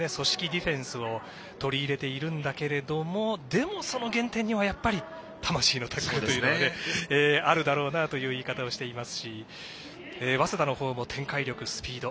ディフェンスを取り入れているんだけどもでも、その原点にはやっぱり魂のタックルというのがあるだろうなという言い方をしていますし早稲田の方も展開力、スピード